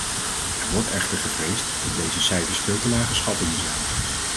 Er wordt echter gevreesd dat deze cijfers veel te lage schattingen zijn.